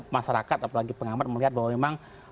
masyarakat apalagi pengamat melihat bahwa memang